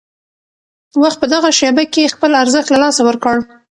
وخت په دغه شېبه کې خپل ارزښت له لاسه ورکړ.